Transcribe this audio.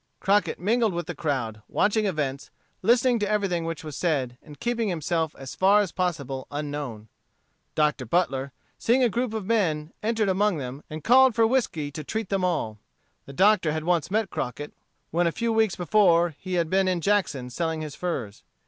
Crockett mingled with the crowd, watching events, listening to everything which was said, and keeping himself as far as possible unknown. Dr. Butler, seeing a group of men, entered among them, and called for whiskey to treat them all. The Doctor had once met Crockett when a few weeks before he had been in Jackson selling his furs.